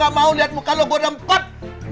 gua gak mau liat muka lo gua diam kot